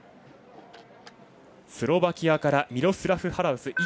スロバキアからミロスラフ・ハラウス。